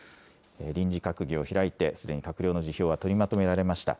臨時閣議を開いて、すでに閣僚の辞表は取りまとめられました。